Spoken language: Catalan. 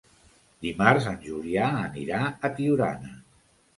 Dimarts en Julià anirà a Tiurana.